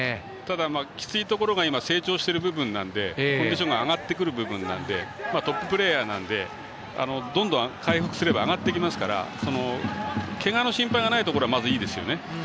きついところが成長している部分なのでコンディションが上がってくる部分なのでトッププレーヤーなのでどんどん回復すれば上がってきますからけがの心配がないところはいいですよね。